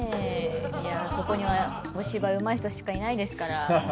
いやここにはお芝居うまい人しかいないですから。